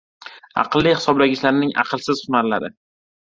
“Aqlli hisoblagichlar”ning aqlsiz "hunar"lari